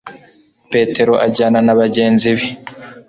Petero ajyana na bagenzi be